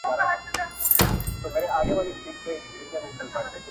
• ضمير بې قراره پاتې کيږي تل..